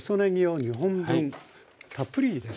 たっぷりですよね？